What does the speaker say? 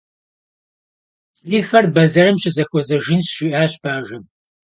«Ди фэр бэзэрым щызэхуэзэжынщ», - жиӀащ бажэм.